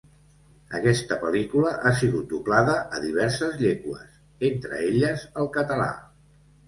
Aquesta pel·lícula ha sigut doblada a diverses llengües, entre elles el català.